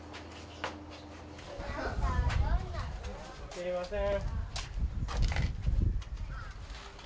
すいません。